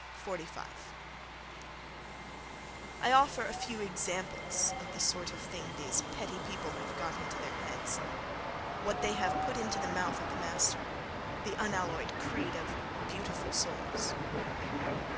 — 45. —I offer a few examples of the sort of thing these petty people have got into their heads—what they have put into the mouth of the Master: the unalloyed creed of "beautiful souls."